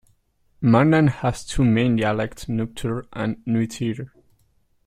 Mandan has two main dialects: Nuptare and Nuetare.